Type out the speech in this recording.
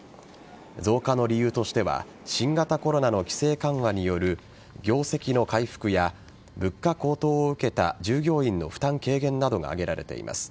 増加の理由としては新型コロナの規制緩和による業績の回復や物価高騰を受けた従業員の負担軽減などが挙げられています。